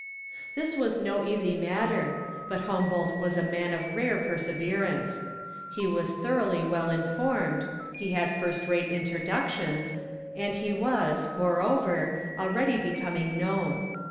This was no easy matter, but Humboldt was a man of rare perseverance. He was thoroughly well informed, he had first rate introductions, and he was, moreover, already becoming known.